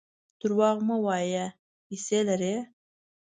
درواغ مه وایه ! پیسې لرې.